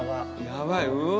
やばいうわ。